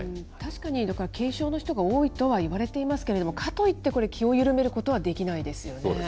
確かに軽症の人が多いとはいわれていますけれども、かといって、これ、気を緩めることはできないですよね。